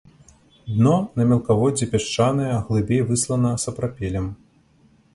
Дно на мелкаводдзі пясчанае, глыбей выслана сапрапелем.